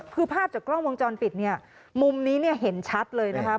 คือภาพจากกล้องวงจรปิดเนี่ยมุมนี้เนี่ยเห็นชัดเลยนะคะ